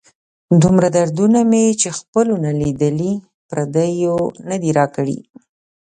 دومره دردونه مې چې خپلو نه لیدلي، پردیو نه دي را کړي.